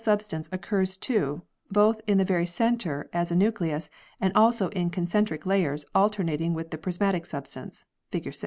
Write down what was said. substance occurs too, both in the very centre as a nucleus, and also in concentric layers alternating with the prismatic substance (fig.